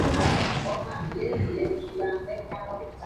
Latino Solanas habla con acento "latino", usa ropa holgada y cadenas de oro.